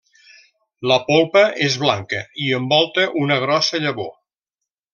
La polpa és blanca i envolta una grossa llavor.